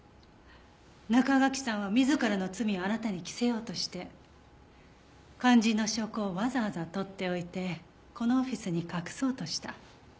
中垣さんは自らの罪をあなたに着せようとして肝心の証拠をわざわざ取っておいてこのオフィスに隠そうとした。